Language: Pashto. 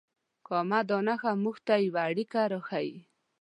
کامه دا نښه موږ ته یوه اړیکه راښیي.